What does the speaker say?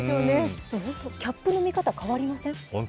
キャップの見方、変わりません？